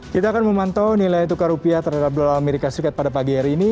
kita akan memantau nilai tukar rupiah terhadap dolar amerika serikat pada pagi hari ini